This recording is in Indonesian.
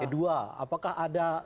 kedua apakah ada